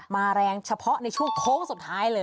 แรงเฉพาะในช่วงโค้งสุดท้ายเลย